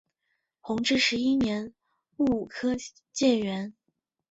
弘治十一年戊午科解元。